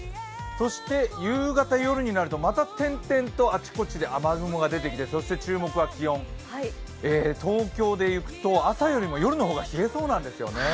そして夕方夜になるとまた点々とあちこちで雨雲が出てきてそして注目は気温、東京でいくと朝よりも夜の方が冷えそうなんですよね。